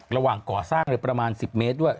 ระหว่างก่อสร้างเลยประมาณ๑๐เมตรด้วย